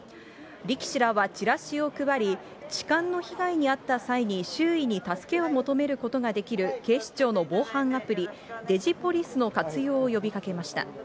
力士らはチラシを配り、痴漢の被害に遭った際に周囲に助けを求めることができる警視庁の防犯アプリ、デジポリスの活用を呼びかけました。